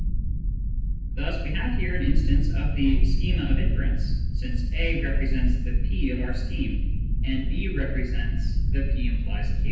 Thus we have here an' instance of the schema of inference, since A represents the p of our scheme, and B represents the " p implies q."